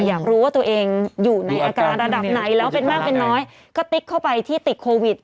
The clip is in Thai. อยากรู้ว่าตัวเองอยู่ในอาการระดับไหนแล้วเป็นมากเป็นน้อยก็ติ๊กเข้าไปที่ติดโควิด